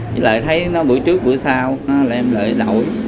với lại thấy nó bữa trước bữa sau nó làm lại đổi